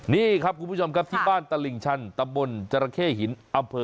เนี่ยครับคุณผู้ชมครับที่้าห์ม่าตะลิงชันตำบลเจริญเข้หินอำเภอ